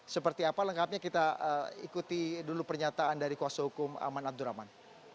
seperti apa lengkapnya kita ikuti dulu pernyataan dari kuasa hukum aman abdurrahman